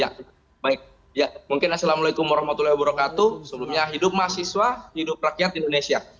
ya baik mungkin assalamualaikum wr wb sebelumnya hidup mahasiswa hidup rakyat indonesia